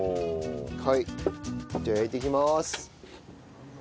はいじゃあ焼いていきます。